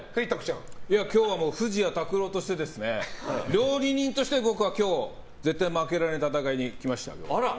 今日は藤谷拓廊として料理人として僕は今日、絶対に負けられない戦いに来ました。